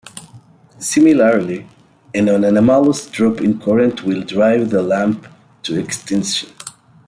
Similarly, an anomalous drop in current will drive the lamp to extinction.